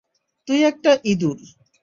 তুই একটা ইঁদুর।